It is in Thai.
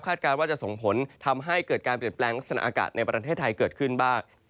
การว่าจะส่งผลทำให้เกิดการเปลี่ยนแปลงลักษณะอากาศในประเทศไทยเกิดขึ้นบ้าง